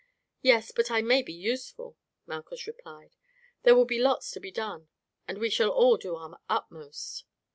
"Yes; but I may be useful," Malchus replied. "There will be lots to be done, and we shall all do our utmost."